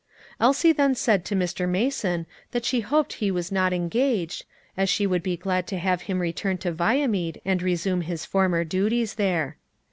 Elsie then said to Mr. Mason that she hoped he was not engaged, as she would be glad to have him return to Viamede and resume his former duties there.